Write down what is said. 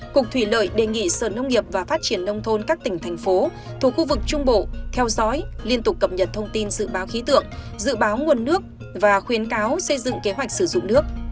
cục thủy lợi đề nghị sở nông nghiệp và phát triển nông thôn các tỉnh thành phố thuộc khu vực trung bộ theo dõi liên tục cập nhật thông tin dự báo khí tượng dự báo nguồn nước và khuyến cáo xây dựng kế hoạch sử dụng nước